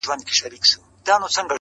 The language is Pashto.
ستـړو ارمانـونو په آئينـه كي راتـه وژړل.